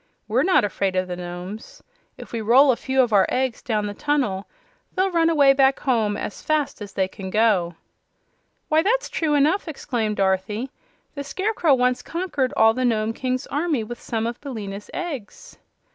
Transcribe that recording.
"We're not afraid of the Nomes. If we roll a few of our eggs down the tunnel they'll run away back home as fast as they can go." "Why, that's true enough!" exclaimed Dorothy. "The Scarecrow once conquered all the Nome King's army with some of Billina's eggs."